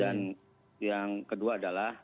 dan yang kedua adalah